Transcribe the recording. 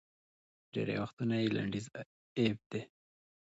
ډېری وختونه یې لنډیز اېب دی